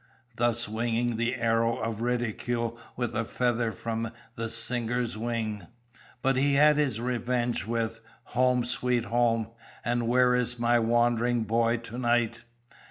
thus winging the arrow of ridicule with a feather from the singer's wing. But he had his revenge with Home, Sweet Home, and _Where is my Wandering Boy To night?